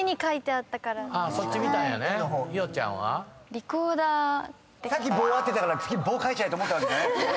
「リコーダー」さっき棒合ってたから棒書いちゃえと思ったわけじゃ。